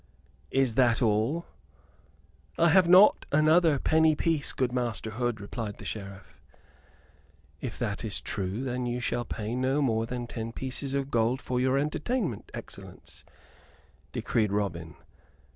"Is that all?" "I have not another penny piece, good Master Hood," replied the Sheriff. "If that is true, then you shall pay no more than ten pieces of gold for your entertainment, excellence," decreed Robin.